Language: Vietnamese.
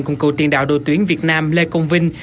cùng cựu tiền đạo đội tuyển việt nam lê công vinh